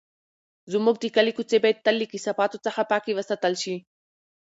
زموږ د کلي کوڅې باید تل له کثافاتو څخه پاکې وساتل شي.